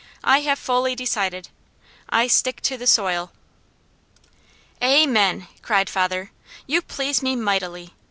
I have fully decided. I stick to the soil!" "Amen!" cried father. "You please me mightily.